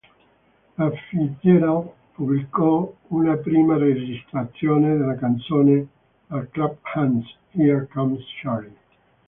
La Fitzgerald pubblicò una prima registrazione della canzone a "Clap Hands, Here Comes Charlie!